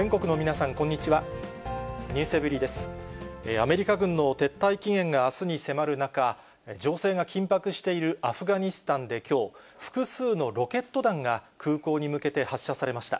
アメリカ軍の撤退期限があすに迫る中、情勢が緊迫しているアフガニスタンできょう、複数のロケット弾が空港に向けて発射されました。